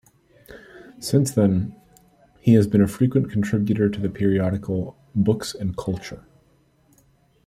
Since then, he has been a frequent contributor to the periodical "Books and Culture".